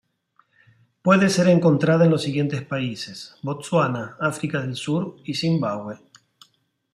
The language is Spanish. Puede ser encontrada en los siguientes países: Botsuana, África del Sur y Zimbabue.